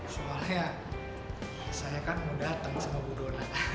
soalnya saya kan mau dateng sama budona